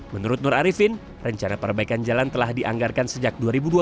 menurut nur arifin rencana perbaikan jalan telah dianggarkan sejak dua ribu dua puluh